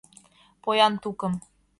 Поян тукым